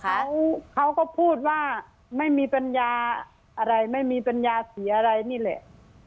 เขาเขาก็พูดว่าไม่มีปัญญาอะไรไม่มีปัญญาเสียอะไรนี่แหละ